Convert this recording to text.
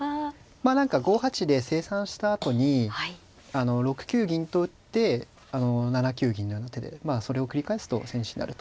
まあ何か５八で清算したあとに６九銀と打って７九銀のような手でまあそれを繰り返すと千日手になると。